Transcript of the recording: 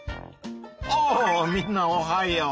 あみんなおはよう！